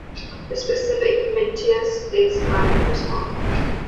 The specific "minutus" is Latin for "small".